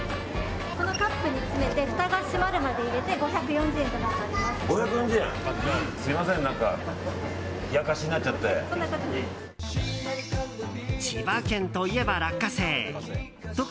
このカップに詰めてふたが閉まるまで入れて５４０円となっております。